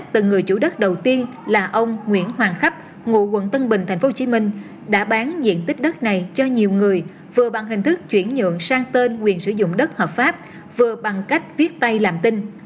từng người chủ đất đầu tiên là ông nguyễn hoàng khách ngụ quận tân bình tp hcm đã bán diện tích đất này cho nhiều người vừa bằng hình thức chuyển nhượng sang tên quyền sử dụng đất hợp pháp vừa bằng cách viết tay làm tinh